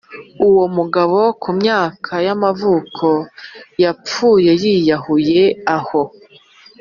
uwo mugabo, ku myaka y’amavuko, yapfuye yiyahuyeaho